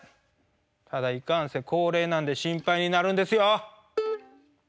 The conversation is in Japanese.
ただいかんせん高齢なんで心配になるんですよ。